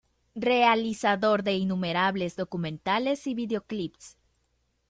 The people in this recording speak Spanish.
Realizador de innumerables documentales y videoclips.